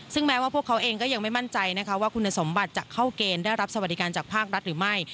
ซึ่งแม้ว่าพวกเขาเองก็ยังไม่มั่นใจนะคะว่าคุณสมบัติจะเข้าเกณฑ์ได้รับสวัสดิการจากภาครัฐหรือไม่